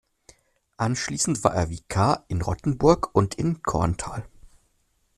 Anschließend war er Vikar in Rottenburg und in Korntal.